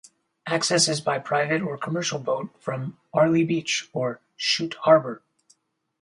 Access is by private or commercial boat from Airlie Beach or Shute Harbour.